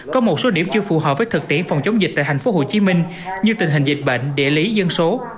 có một số điểm chưa phù hợp với thực tiễn phòng chống dịch tại tp hcm như tình hình dịch bệnh địa lý dân số